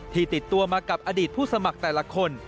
ติดตัวมากับอดีตผู้สมัครแต่ละคน